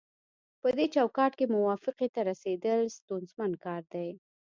پدې چوکاټ کې موافقې ته رسیدل ستونزمن کار دی